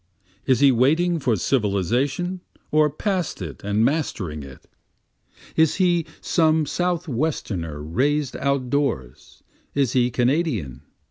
Is he waiting for civilization, or past it and mastering it? Is he some Southwesterner rais'd out doors? is he Kanadian?